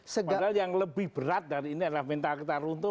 padahal yang lebih berat dari ini adalah mental kita runtuh